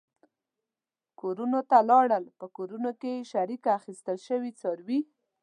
کورونو ته لاړل، په کورونو کې په شریکه اخیستل شوي څاروي.